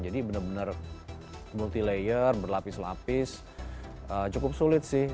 jadi benar benar multi layer berlapis lapis cukup sulit sih